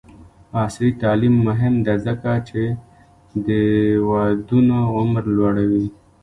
عصري تعلیم مهم دی ځکه چې د ودونو عمر لوړوي.